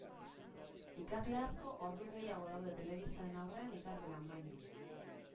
Ikasle asko ordu gehiago daude telebistaren aurrean ikasgelan baino.